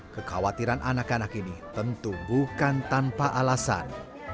kekhawatiran anak anak ini tentu bukan tanpa alasan